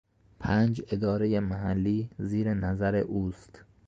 پنج ادارهی محلی زیر نظر اوست.